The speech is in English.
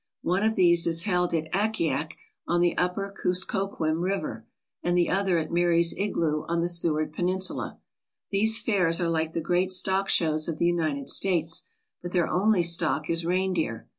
One of these is held at Akiak on the Upper Kuskokwim River, and the other at Mary's Igloo on the Seward Peninsula. ; These fairs are like the great stock shows of the United States, but their only stock is reindeer.